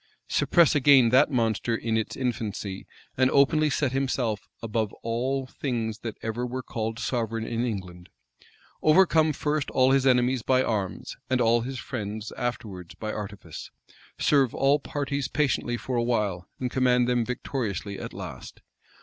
Suppress again that monster in its infancy, and openly set up himself above all things that ever were called sovereign in England? Overcome first all his enemies by arms, and all his friends afterwards by artifice? Serve all parties patiently for a while, and command them victoriously at last?